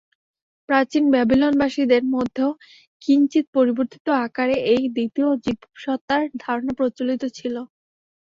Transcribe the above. প্রাচীন ব্যাবিলনবাসীদের মধ্যেও কিঞ্চিৎ পরিবর্তিত আকারে এই দ্বিতীয় জীবসত্তার ধারণা প্রচলিত ছিল।